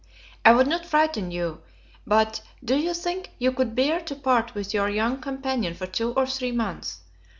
I would not frighten you; but do you think you could bear to part with your young companion for two or three months?